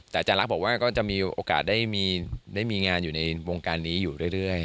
แต่อาจารย์ลักษณ์บอกว่าก็จะมีโอกาสได้มีงานอยู่ในวงการนี้อยู่เรื่อย